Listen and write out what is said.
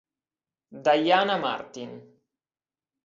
Diana Martín